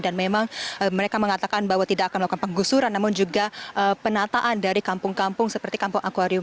dan memang mereka mengatakan bahwa tidak akan melakukan penggusuran namun juga penataan dari kampung kampung seperti kampung akwarium